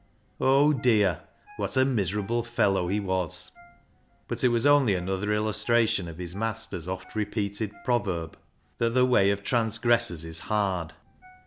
Oh dear ! what a miserable fellow he was ! But it was only another illustration of his master's oft repeated proverb that " the way of transgressors is hard."